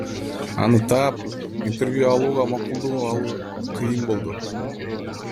Аны таап, интервью алууга макулдугун алуу кыйын болду.